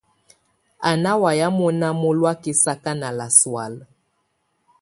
A ná wàya mɔna mɔloɔ̀̀á kɛsaka nà lasɔálɛ̀.